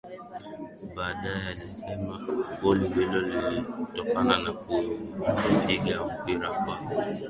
Baadaye alisema goli hilo lilitokana na kuupiga mpira kwa